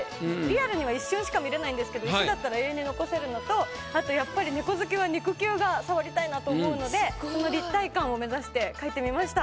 リアルには一瞬しか見れないんですけど石だったら永遠に残せるのとあとやっぱり猫好きは肉球が触りたいなと思うので立体感を目指して描いてみました。